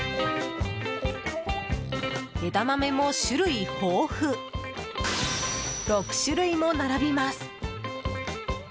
枝豆も種類豊富６種類も並びます。